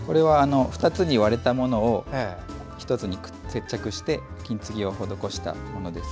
２つに割れたものを１つに接着して金継ぎを施したものです。